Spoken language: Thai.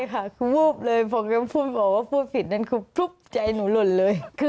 ใช่ค่ะคือวูบเลยผมยังพูดบอกว่าพูดผิดนั่นคือฟลุ๊กใจหนูหล่นเลย